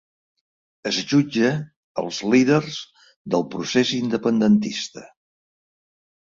Es jutja als líders del procés independentista